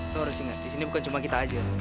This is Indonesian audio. lo harus ingat disini bukan cuma kita aja